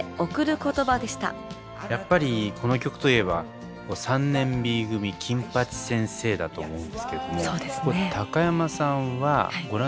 やっぱりこの曲といえば「３年Ｂ組金八先生」だと思うんですけども高山さんはご覧になってましたか？